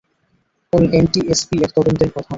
উনি এনটিএসবি এর তদন্তের প্রধান।